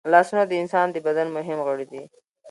لاسونه د انسان د بدن مهم غړي دي